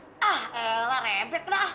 ah elah rebet lah